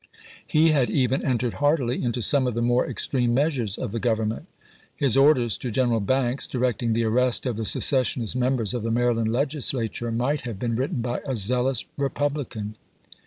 He had even entered heartily into some of the more extreme measures of the Government. His orders to Gen eral Banks directing the arrest of the secessionist members of the Maryland Legislature might have been written by a zealous Republican.